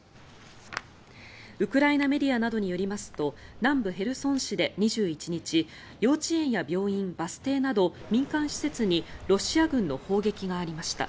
ウクライナメディアなどによりますと南部ヘルソン市で２１日幼稚園や病院、バス停など民間施設にロシア軍の砲撃がありました。